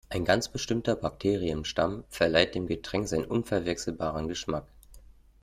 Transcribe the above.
Ein ganz bestimmter Bakterienstamm verleiht dem Getränk seinen unverwechselbaren Geschmack.